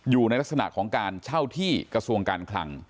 อยู่ในลักษณะของการเช่าที่กระทรวงการคลัง